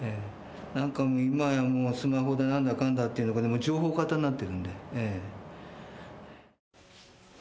なんか今はもうスマホだなんだかんだっていう、情報過多になってるんで。